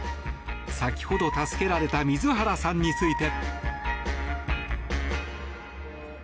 先ほど、助けられた水原さんについて。